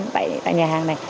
tại nhà hàng này